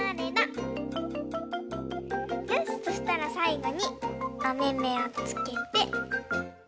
よしそしたらさいごにおめめをつけて。